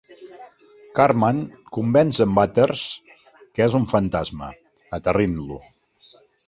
Cartman convenç en Butters que és un fantasma, aterrint-lo.